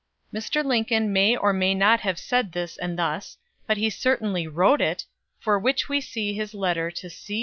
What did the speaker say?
Mr. Lincoln may or may not have said this and thus but he certainly wrote it, for which see his letter to C.